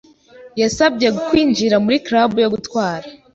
Yasabye kwinjira muri club yo gutwara.